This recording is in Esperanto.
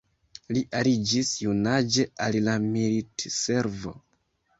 Li aliĝis junaĝe al la militservo.